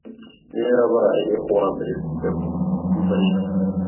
Ni we wabaye uwa mbere kujya ku mva ye,